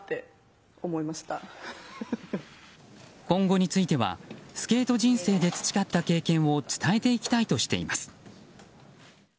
今後についてはスケート人生で培った経験を伝えていきたいとしています。